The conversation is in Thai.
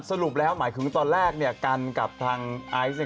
สรุปแล้วหมายคือตอนแรกเนี่ยกันกับทางไอจี